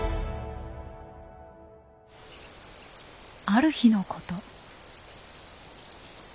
ある日のこと。